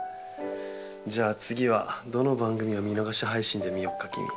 じゃあ次はどの番組を見逃し配信で見よっかキミ。